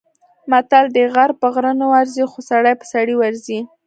متل دی: غر په غره نه ورځي، خو سړی په سړي ورځي.